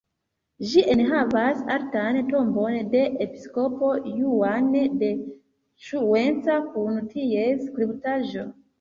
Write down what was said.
Ĝi enhavas artan tombon de episkopo Juan de Cuenca kun ties skulptaĵo.